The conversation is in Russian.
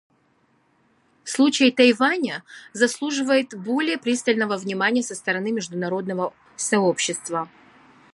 Случай Тайваня заслуживает более пристального внимания со стороны международного сообщества.